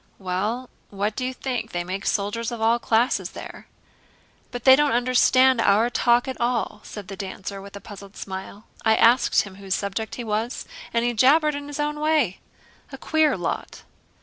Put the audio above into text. "Well, what do you think? They make soldiers of all classes there." "But they don't understand our talk at all," said the dancer with a puzzled smile. "I asked him whose subject he was, and he jabbered in his own way. A queer lot!"